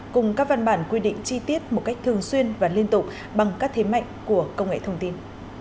cùng các văn bản quy định chi tiết một cách thường xuyên và liên tục bằng các thế mạnh của công nghệ thông tin